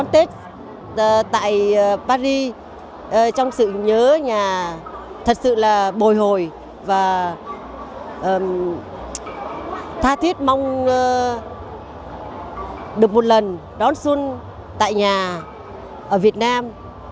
tết tại paris trong sự nhớ nhà thật sự là bồi hồi và tha thiết mong được một lần đón xuân tại nhà ở việt nam